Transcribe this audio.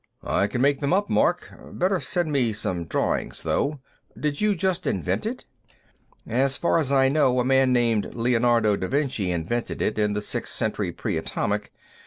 "I can make them up, Mark; better send me some drawings, though. Did you just invent it?" "As far as I know, a man named Leonardo da Vinci invented it, in the Sixth Century Pre Atomic.